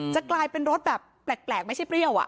จะกลายเป็นรสแบบแปลกไม่ใช่เปรี้ยว